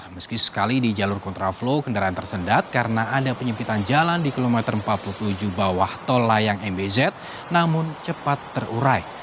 meski sekali di jalur kontraflow kendaraan tersendat karena ada penyempitan jalan di kilometer empat puluh tujuh bawah tol layang mbz namun cepat terurai